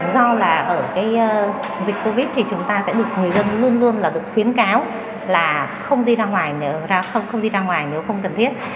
do là ở cái dịch covid thì chúng ta sẽ được người dân luôn luôn là được khuyến cáo là không đi ra ngoài không đi ra ngoài nếu không cần thiết